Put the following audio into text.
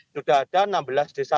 sudah ada enam belas desa